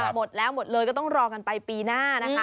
หมดแล้วหมดเลยก็ต้องรอกันไปปีหน้านะคะ